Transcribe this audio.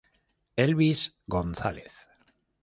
Elvis González